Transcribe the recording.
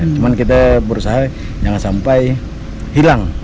cuma kita berusaha jangan sampai hilang